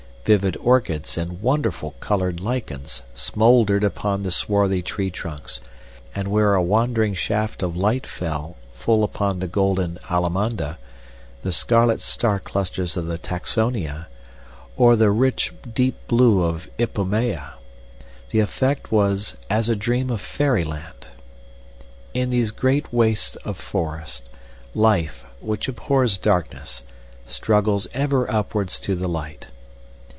Vivid orchids and wonderful colored lichens smoldered upon the swarthy tree trunks and where a wandering shaft of light fell full upon the golden allamanda, the scarlet star clusters of the tacsonia, or the rich deep blue of ipomaea, the effect was as a dream of fairyland. In these great wastes of forest, life, which abhors darkness, struggles ever upwards to the light.